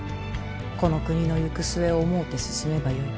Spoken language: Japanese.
この国の行く末を思うて進めばよい。